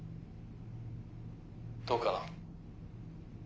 どうかな？